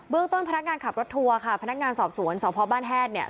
เรื่องต้นพนักงานขับรถทัวร์ค่ะพนักงานสอบสวนสพบ้านแฮดเนี่ย